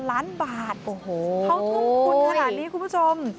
โอ้โหเพราะทุนขนาดนี้คุณผู้ชม